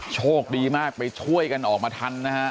โชคดีมากไปช่วยกันออกมาทันนะฮะ